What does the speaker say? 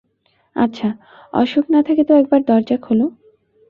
আচ্ছা, অসুখ না থাকে তো একবার দরজা খোলো।